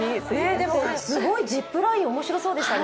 すごいジップライン面白そうでしたね。